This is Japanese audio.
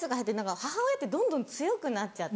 母親ってどんどん強くなって。